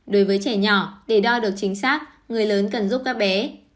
đối với trẻ nhỏ để đo được chính xác người lớn cần giúp các bé